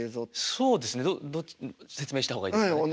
そうですね説明した方がいいですよね？